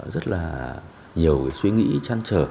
rất là nhiều suy nghĩ chăn trở